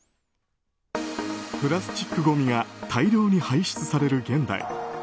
プラスチックごみが大量に排出される現代。